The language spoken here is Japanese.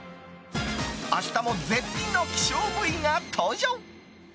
明日も絶品の希少部位が登場。